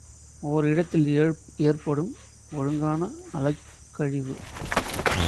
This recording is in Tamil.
ஒர் ஊடகத்தில் ஏற்படும் ஒழுங்கான அலைக்கழிவு.